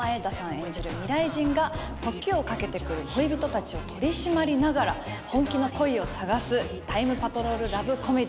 演じる未来人が時を駆けてくる恋人たちを取り締まりながら本気の恋を探すタイムパトロールラブコメディーです。